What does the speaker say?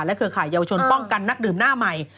เครือข่ายเยาวชนป้องกันนักดื่มหน้าใหม่